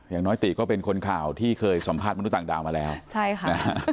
อย่างน้อยติก็เป็นคนข่าวที่เคยสัมภาษณ์มนุษย์ต่างดาวมาแล้วใช่ค่ะนะฮะ